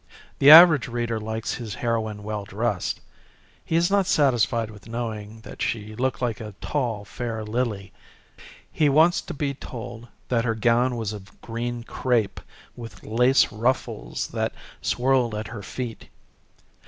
The average reader likes his heroine well dressed. He is not satisfied with knowing that she looked like a tall, fair lily. He wants to be told that her gown was of green crepe, with lace ruffles that swirled at her feet.